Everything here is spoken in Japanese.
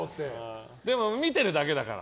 でも、見てるだけだから。